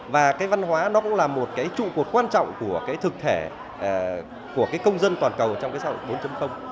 và cái văn hóa nó cũng là một cái trụ cột quan trọng của cái thực thể của cái công dân toàn cầu trong cái xã hội bốn